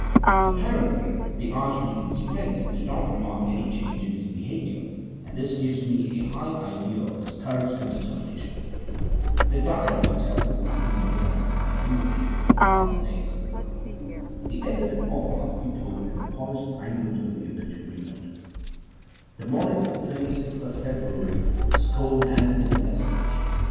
Apparently the archdeacon's friends did not remark any change in his behaviour, and this gives me a high idea of his courage and determination. The diary tells us nothing more than I have indicated of the last days of his life. The end of it all must be told in the polished language of the obituary notice: The morning of the 26th of February was cold and tempestuous.